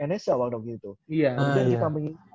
ns nya waktu itu kemudian kita